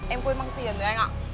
em quên mang tiền rồi anh ạ